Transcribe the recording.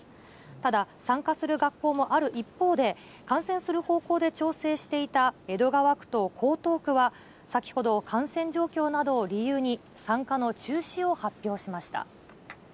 ただ、参加する学校もある一方で、観戦する方向で調整していた江戸川区と江東区は、先ほど感染状況などを理由に、参加の中止を発表しました。